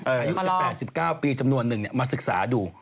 เออมาลองอายุ๑๘๑๙ปีจำนวนหนึ่งนี่มาศึกษาดู